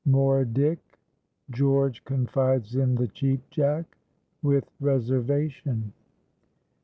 —MOERDYK.—GEORGE CONFIDES IN THE CHEAP JACK—WITH RESERVATION.